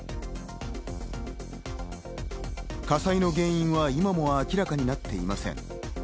火災の原因は今も明らかになっていません。